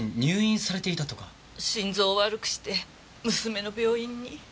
心臓を悪くして娘の病院に。